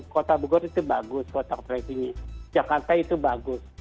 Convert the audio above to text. kota bogor itu bagus kotak trackingnya jakarta itu bagus